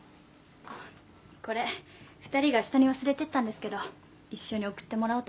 あっこれ２人が下に忘れてったんですけど一緒に送ってもらおうと思って。